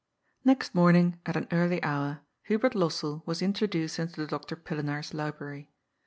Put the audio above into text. Next morning, at an early hour, Hubert Lossell was in troduced into Doctor Pillenaar's library.